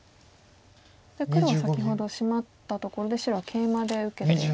黒は先ほどシマったところで白はケイマで受けて。